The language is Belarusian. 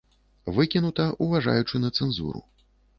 Выкінута, уважаючы на цэнзуру.